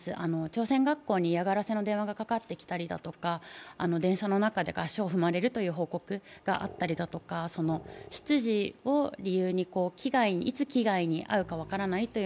朝鮮学校に嫌がらせの電話がかかってきたりとか、電車の中で足を踏まれるという報告があったりだとか、出自を理由に、いつ被害に遭うか分からない。